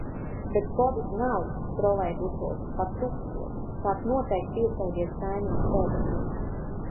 Bet kovid nav - trolejbusos, pat tukšos, kāds noteikti piesēdies kaimiņu sēdeklī.